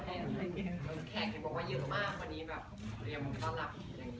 แขกเขียนบอกว่าเยอะมากวันนี้แบบเดี๋ยวก็ต้องรัก